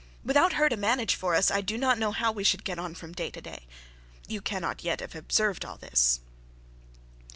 Without her to manage for us, I do not know how we should get on from day to day. You cannot yet have observed all this.'